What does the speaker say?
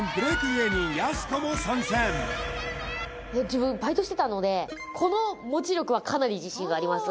芸人やす子も参戦いや自分バイトしてたのでこの持ち力はかなり自信があります